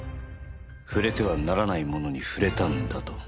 触れてはならないものに触れたんだと。